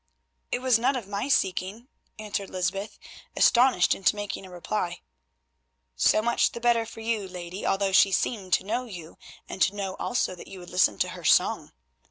"It was none of my seeking," answered Lysbeth, astonished into making a reply. "So much the better for you, lady, although she seemed to know you and to know also that you would listen to her song.